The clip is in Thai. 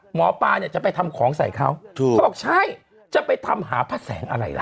หมอปลาเนี่ยจะไปทำของใส่เขาถูกเขาบอกใช่จะไปทำหาพระแสงอะไรล่ะ